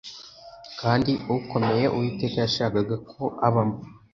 kandi ukomeye Uwiteka yashakaga ko abamo